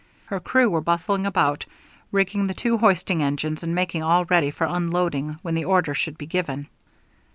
Her crew were bustling about, rigging the two hoisting engines, and making all ready for unloading when the order should be given.